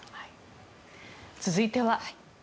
続いては。